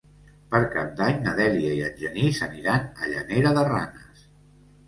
Per Cap d'Any na Dèlia i en Genís aniran a Llanera de Ranes.